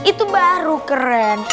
itu baru keren